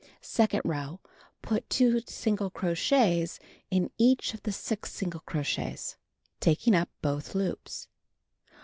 Second row: Put 2 single crochets in each of the single crochets, taking up both loops.